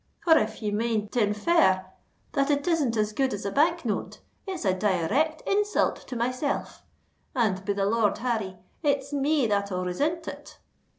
For if you mane to infer that it isn't as good as a Bank note, it's a direct insult to myself; and, be the Lord Harry! it's me that'll resint it."